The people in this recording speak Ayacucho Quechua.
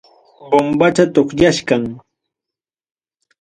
Bombacha toqiachkan.